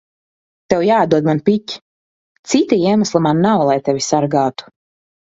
Tev jāatdod man piķi. Cita iemesla man nav, lai tevi sargātu.